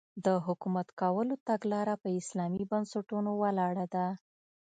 د حکومت کولو تګلاره په اسلامي بنسټونو ولاړه ده.